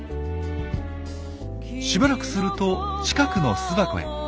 しばらくすると近くの巣箱へ。